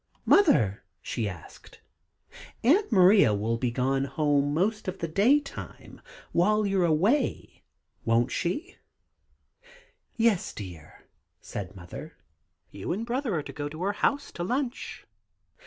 "Mother," she asked, "Aunt Maria will be gone home most of the day time, while you're away, won't she?" "Yes, dear," said Mother; "you and Brother are to go to her house to lunch."